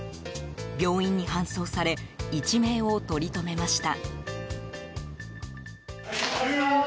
病院に搬送され一命を取り留めました。